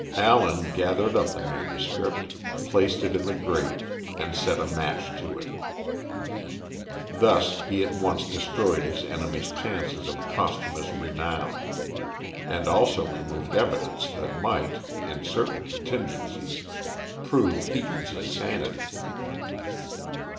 Allen gathered up the MS., placed it in the grate, and set a match to it. Thus he at once destroyed his enemy's chances of posthumous renown, and also removed evidence that might, in certain contingencies, prove Heaton's insanity.